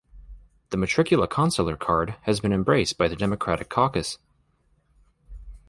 The Matricula Consular card has been embraced by the Democratic Caucus.